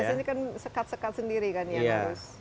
biasanya kan sekat sekat sendiri kan yang harus